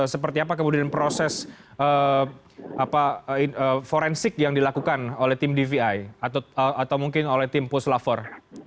seperti apa kemudian proses forensik yang dilakukan oleh tim dvi atau mungkin oleh tim puslavor